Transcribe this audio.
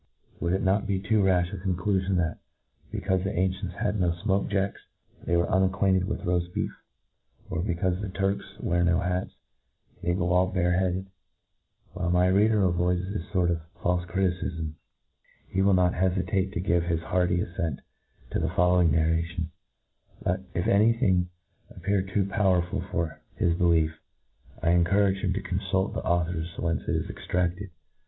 .Would it not be too rafh a con clufion that, becaufe the ancients had i;io fmok^ jacks, they were unacqujunted with roaft beef ?" or, becaufe the Turks wear no hats, they go all bare headed ? While my reader avoids this fort of falfe criticifm, he will not hcfitatc to give . his l^carty aflent to the following narration j^— , but, if any^ thing appear too powerful for his be lief, I encourage him to confult the authors whence it W extra^d.